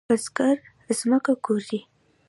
بزګر زمکه کوري.